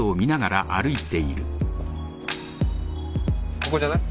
ここじゃない？